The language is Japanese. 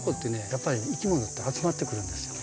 やっぱりいきものって集まってくるんですよ。